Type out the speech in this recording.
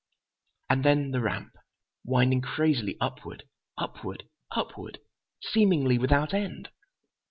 And then the ramp, winding crazily upward—upward—upward, seemingly without end.